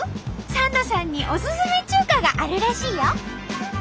サンドさんにおすすめ中華があるらしいよ。